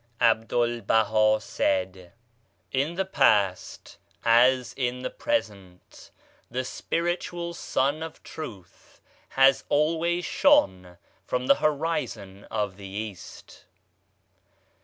A BDUL B AHA said : J ^* In the past, as in the present, the Spiritual Sun of Truth has always shone from the horizon of the East.